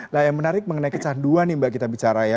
nah yang menarik mengenai kecanduan nih mbak kita bicara ya